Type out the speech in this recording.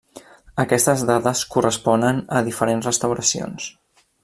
Aquestes dades corresponen a diferents restauracions.